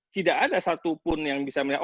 tidak ada satupun yang bisa kita mengingatkan